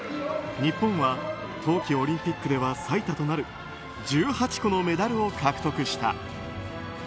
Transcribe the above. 日本は冬季オリンピックでは最多となる１８個のメダルを獲得した。